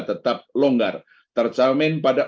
tetap longgar terjamin pada